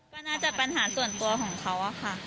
ก็น่าจะปัญหาส่วนตัวของเขาอะค่ะ